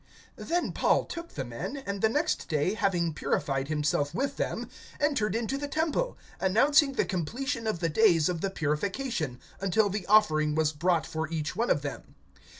(26)Then Paul took the men, and the next day, having purified himself with them, entered into the temple, announcing the completion of the days of the purification, until the offering was brought for each one of them.